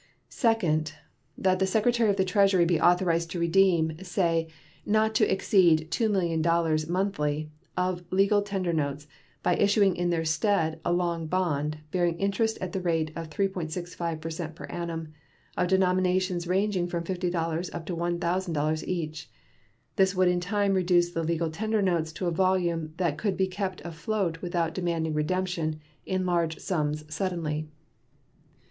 Second. That the Secretary of the Treasury be authorized to redeem, say, not to exceed $2,000,000 monthly of legal tender notes, by issuing in their stead a long bond, bearing interest at the rate of 3.65 per cent per annum, of denominations ranging from $50 up to $1,000 each. This would in time reduce the legal tender notes to a volume that could be kept afloat without demanding redemption in large sums suddenly.